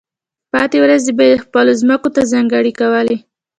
پاتې ورځې به یې خپلو ځمکو ته ځانګړې کولې.